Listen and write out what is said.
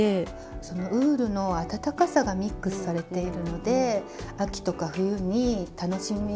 そのウールの温かさがミックスされているので秋とか冬に楽しみやすいですよね。